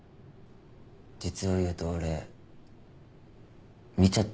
実を言うと俺見ちゃったんですよ。